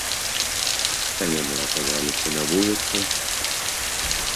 А яны аказаліся на вуліцы.